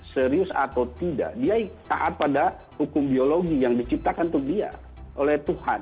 serius atau tidak dia taat pada hukum biologi yang diciptakan untuk dia oleh tuhan